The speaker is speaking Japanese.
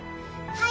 はい。